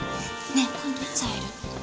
ねえ今度いつ会える？